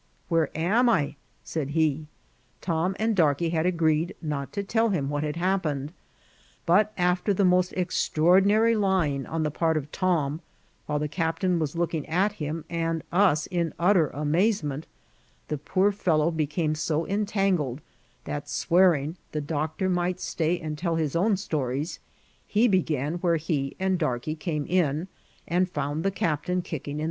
*^ Where am I ?" said he. Tom and Darkey had agreed not to tell him what had happened ; but, after the most extraordinary lying on the part of Tom, while the captain was looking at him and us in utter amas^nent, the poor fellow became so entangled, that, swearing the doctor might stay and tell his own stories, he began where he and Darkey came in, and found die captain kicking in.